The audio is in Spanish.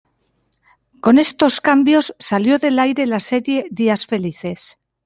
Con estos cambios, salió del aire la serie "Días Felices".